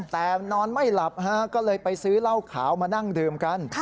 แต่นอนไม่หลับก็เลยไปซื้อเหล้าขาวมานั่งดื่มกัน